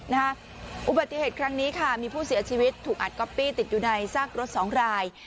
อุบัติเหตุครั้งนี้ค่ะมีผู้เสียชีวิตถูกอัดก๊อปปี้ติดอยู่ในซากรถสองราย